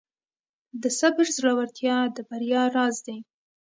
د صبر زړورتیا د بریا راز دی.